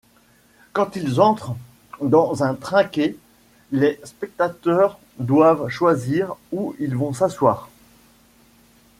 Quand ils entrent dans un trinquet les pectateurs doivent choisir où ils vont s’assoir.